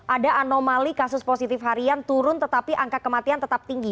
ada anomali kasus positif harian turun tetapi angka kematian tetap tinggi